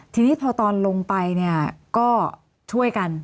ทีนี้พอตอนลงไปเนี่ยก็ช่วยกัน